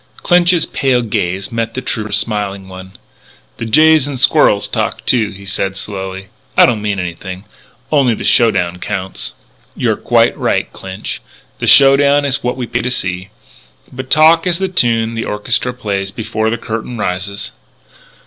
Clinch's pale gaze met the trooper's smiling one: "The jays and squirrels talk too," he said slowly. "It don't mean anything. Only the show down counts." "You're quite right, Clinch. The show down is what we pay to see. But talk is the tune the orchestra plays before the curtain rises."